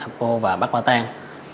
apo và bắt qua tan